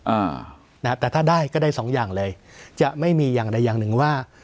อ่านะฮะแต่ถ้าได้ก็ได้สองอย่างเลยจะไม่มีอย่างใดอย่างหนึ่งว่า